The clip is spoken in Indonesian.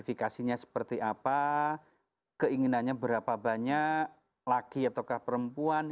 efekasinya seperti apa keinginannya berapa banyak laki ataukah perempuan